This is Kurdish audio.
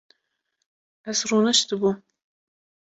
Ez rûniştibûm